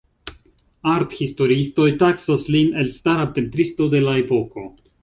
Art-historiistoj taksas lin elstara pentristo de la epoko.